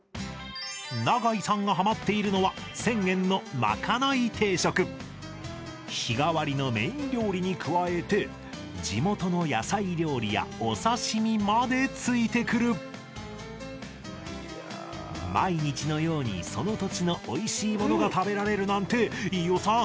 永井さんがハマっているのは日替わりのメイン料理に加えて地元の野菜料理やお刺し身までついてくる毎日のようにその土地のおいしいものが食べられるなんて飯尾さん